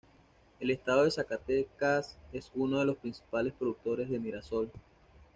El estado de Zacatecas es uno de los principales productores de mirasol.